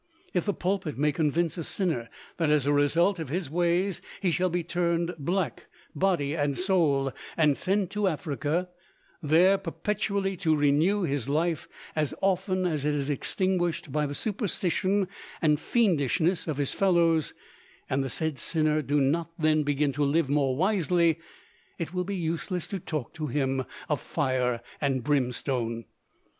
If the pulpit may convince a sinner that as a result of his ways he shall be turned black, body and soul, and sent to Africa, there perpetually to renew his life as often as it is extinguished by the superstition and fiendishness of his fellows, and the said sinner do not then begin to live more wisely, it will be useless to talk to him of fire and brimstone.